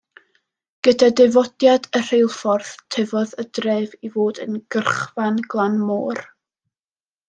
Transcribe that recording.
Gyda dyfodiad y rheilffordd, tyfodd y dref i fod yn gyrchfan glan môr.